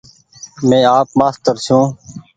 مين آپ مآستر ڇون ۔